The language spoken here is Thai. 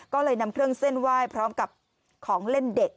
ก็เลยนำเครื่องเส้นไหว้พร้อมกับของเล่นเด็ก